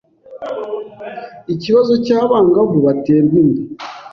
Ikibazo cy’abangavu baterwa inda